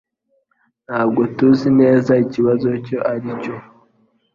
Ntabwo tuzi neza ikibazo icyo ari cyo.